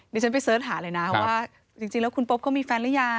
เดี๋ยวฉันไปเสิร์ชหาเลยนะเพราะว่าจริงแล้วคุณป๊อบเขามีแฟนหรือยัง